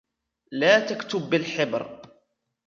لا تكتب بالحبر.